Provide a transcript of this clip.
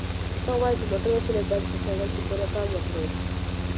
که ته غواړې چې موټر وچلوې نو باید په سړک کې پوره پام وکړې.